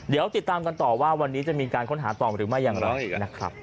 เดี๋ยวติดตามกันต่อว่าวันนี้จะมีการค้นหาต่อหรือไม่อย่างไรนะครับ